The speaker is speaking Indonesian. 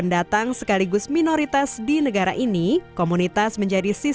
youtube selalu memakai miniatur unforgettable